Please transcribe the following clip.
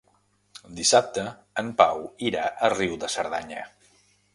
Dissabte en Pau irà a Riu de Cerdanya.